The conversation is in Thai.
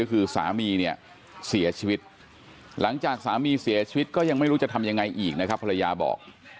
ก็คือสามีเนี่ยเสียชีวิตหลังจากสามีเสียชีวิตก็ยังไม่รู้จะทำยังไงอีกนะครับภรรยาบอก